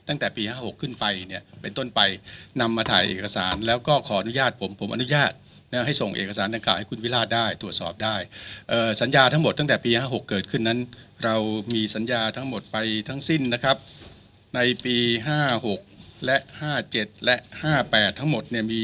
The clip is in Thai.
ในปีห้าหกและห้าเจ็ดและห้าแปดทั้งหมดเนี่ยมีทั้งหมดเอ่อ